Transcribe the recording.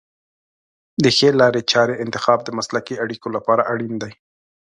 د ښې لارې چارې انتخاب د مسلکي اړیکو لپاره اړین دی.